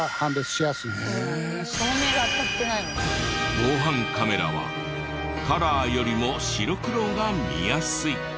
防犯カメラはカラーよりも白黒が見やすい。